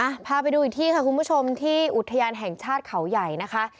พาไปดูอีกที่ค่ะคุณผู้ชมที่อุทยานแห่งชาติเขาใหญ่นะคะ